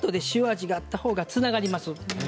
塩味があったほうがつながります。